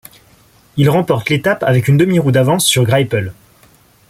Il remporte l'étape avec une demie-roue d'avance sur Greipel.